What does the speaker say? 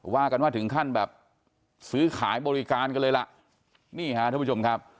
ว่ากันว่าถึงขั้นแบบซื้อขายบริการกันเลยล่ะนี่ฮะท่านผู้ชมครับ